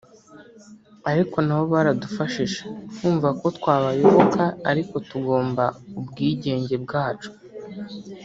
Ariko nabo baradufashije […] kumva ko twabayoboka ariko tugomba ubwigenge bwacu